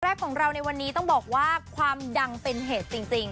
แรกของเราในวันนี้ต้องบอกว่าความดังเป็นเหตุจริง